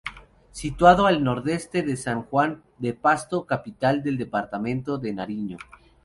Situado al nordeste de San Juan de Pasto, capital del departamento de Nariño.